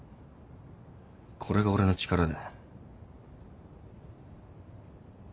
これが俺の力だ。